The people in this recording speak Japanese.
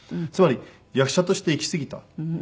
つまり役者として生きすぎた。